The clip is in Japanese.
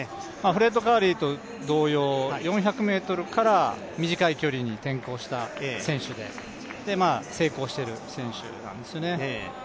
フレッド・カーリーと同様、４００ｍから短い距離に転向した選手で、成功している選手なんですね。